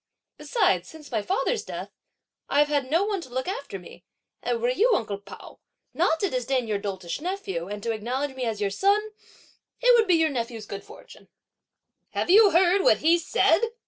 Besides, since my father's death, I've had no one to look after me, and were you, uncle Pao, not to disdain your doltish nephew, and to acknowledge me as your son, it would be your nephew's good fortune!" "Have you heard what he said?"